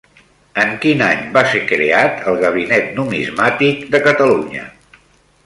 En quin any va ser creat el Gabinet Numismàtic de Catalunya?